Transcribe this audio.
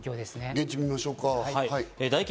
現地を見ましょうか。